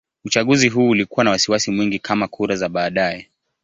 Uchaguzi huu ulikuwa na wasiwasi mwingi kama kura za baadaye.